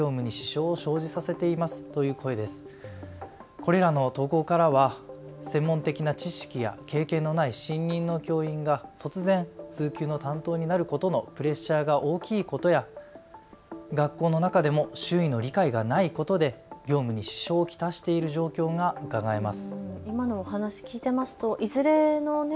これらの投稿からは専門的な知識や経験のない新任の教員が突然、通級の担当になることのプレッシャーが大きいことや学校の中でも周囲の理解がないことで業務に支障を来している状況がうかがえます。